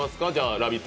「ラヴィット！」